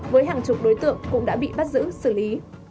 với hàng chục đối tượng cũng đã bị bắt giữ xử lý